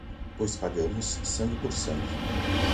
Pois pagamos sangue por sangue